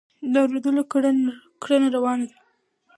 د اورېدلو کړنه روانه ده.